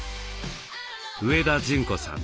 上田淳子さん。